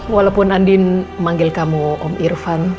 walaupun andin manggil kamu om irfan